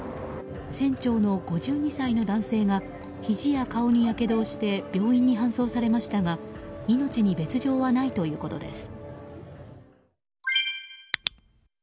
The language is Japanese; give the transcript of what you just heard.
船長の５２歳の男性がひじや顔にやけどをして病院に搬送されましたが命に別条はないということです。